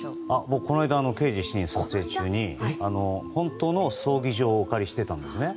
僕、この間「刑事７人」の撮影中に本当の葬儀場をお借りしてたんですね。